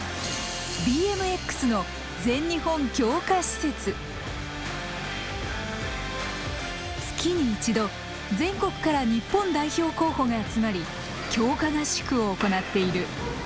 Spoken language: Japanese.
ＢＭＸの月に１度全国から日本代表候補が集まり強化合宿を行っている。